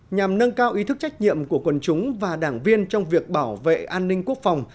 nhằm nâng cao ý thức trách nhiệm của quần chúng và đảng viên trong việc bảo vệ an ninh quốc phòng